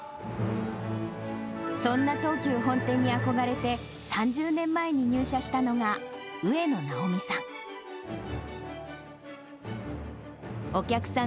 そんな東急本店に憧れて、３０年前に入社したのが上野直美さん。